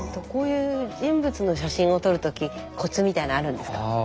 こういう人物の写真を撮る時コツみたいのあるんですか？